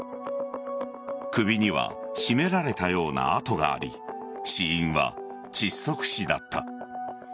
首には絞められたような痕があり死因は窒息死だった。